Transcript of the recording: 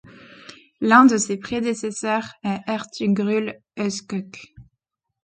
L'un de ses prédécesseurs est Ertuğrul Özkök.